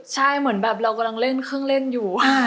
ใช่เหมือนแบบเรากำลังเล่นเครื่องเล่นอยู่